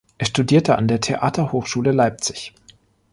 Er studierte an der Theaterhochschule Leipzig.